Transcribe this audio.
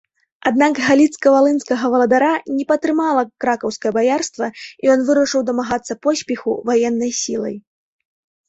Аднак галіцка-валынскага валадара не падтрымала кракаўскае баярства і ён вырашыў дамагацца поспеху ваеннай сілай.